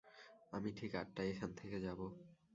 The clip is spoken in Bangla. আমি ঠিক আটটায় এখান থেকে যাব।